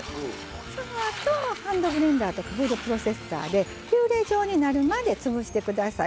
そのあとハンドブレンダーとかフードプロセッサーでピュレ状になるまで潰して下さい。